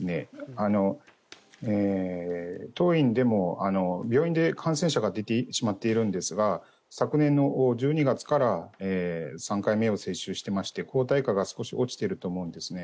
当院でも病院で感染者が出てしまっているんですが昨年の１２月から３回目を接種してまして抗体価が少し落ちていると思うんですね。